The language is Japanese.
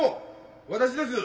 私です。